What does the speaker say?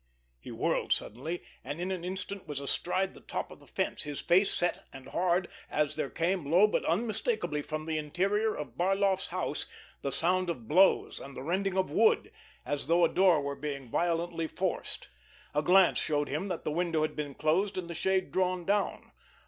He whirled suddenly, and in an instant was astride the top of the fence, his face set and hard, as there came, low but unmistakably from the interior of Barloff's house, the sound of blows and the rending of wood, as though a door were being violently forced. A glance showed him that the window had been closed and the shade drawn down.